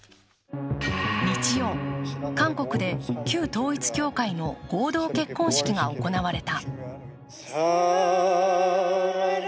日曜、韓国で旧統一教会の合同結婚式が行われた。